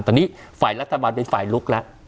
ตอนนี้ฝ่ายรัฐบาลเป็นฝ่ายลุกแล้ว